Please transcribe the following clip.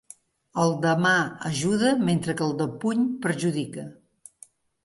El de mà ajuda mentre que el de puny perjudica.